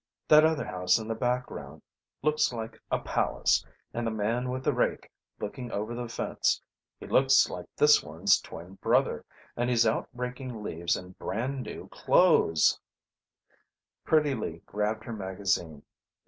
That other house in the background looks like a palace, and the man with the rake, looking over the fence: he looks like this one's twin brother, and he's out raking leaves in brand new clothes " Pretty Lee grabbed her magazine.